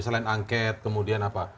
selain angket kemudian apa